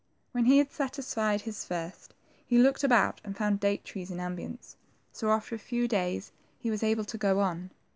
When he had satisfied his thirst, he looked about and found date trees in abundance ; so after a few days he was able to go on.